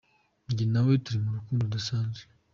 Njye na we turi mu rukundo rudasanzwe.